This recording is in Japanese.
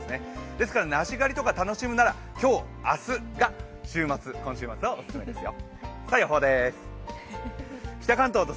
ですから梨狩りとか楽しむなら今日、明日、今週末がおすすめですよ。